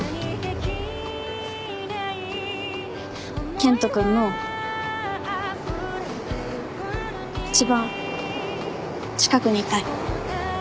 健人君の一番近くにいたい。